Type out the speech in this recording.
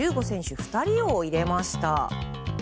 ２人を入れました。